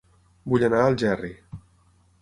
Vull anar a Algerri